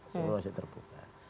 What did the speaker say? semua masih terbuka